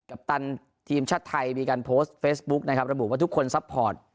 ปตันทีมชาติไทยมีการโพสต์เฟซบุ๊กนะครับระบุว่าทุกคนซัพพอร์ต